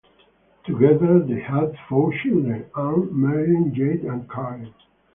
Together they have four children: Anne, Marilyn, Janet and Karen.